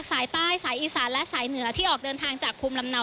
สายใต้สายอีสานและสายเหนือที่ออกเดินทางจากภูมิลำเนา